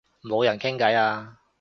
冇人傾偈啊